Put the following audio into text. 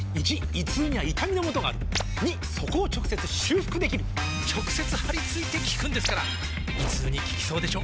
①胃痛には痛みのもとがある②そこを直接修復できる直接貼り付いて効くんですから胃痛に効きそうでしょ？